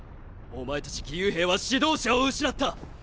お前たち義勇兵は指導者を失った！！